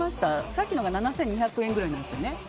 さっきのが７２００円ぐらいなんですよね。